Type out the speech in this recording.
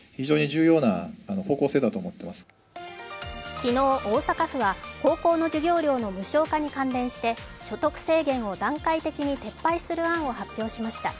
昨日、大阪府は高校の授業料の無償化に関連して所得制限を段階的に撤廃する案を発表しました。